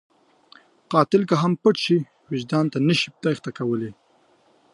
قاتل که پټ هم شي، وجدان ته نشي تېښته کولی